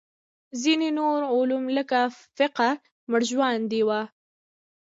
ځینې نور علوم لکه فقه مړژواندي وو.